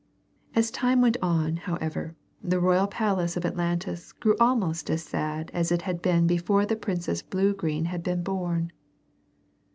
As time went on, however, the royal palace of Atlantis grew almost as sad as it had been before the Princess Bluegreen had been born.